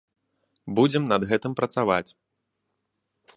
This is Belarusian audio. Будзем над гэтым працаваць.